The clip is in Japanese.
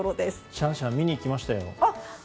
シャンシャン見に行きましたよ。